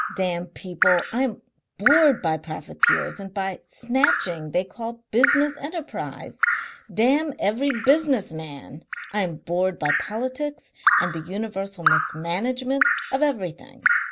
Damn people! I am bored by profiteers and by the snatching they call business enterprise. Damn every business man! I am bored by politics and the universal mismanagement of everything.